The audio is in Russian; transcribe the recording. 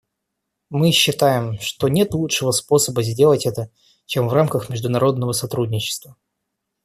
Мы считаем, что нет лучшего способа сделать это, чем в рамках международного сотрудничества.